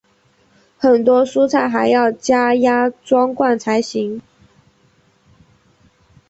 很多蔬菜还要加压装罐才行。